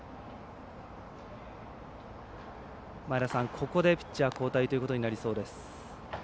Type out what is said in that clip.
ここでピッチャー交代ということになりそうです。